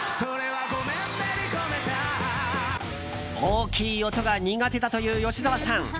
大きい音が苦手だという吉沢さん。